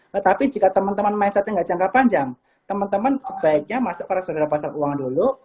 tetapi jika teman teman mindsetnya nggak jangka panjang teman teman sebaiknya masuk ke resadaran pasar keuangan dulu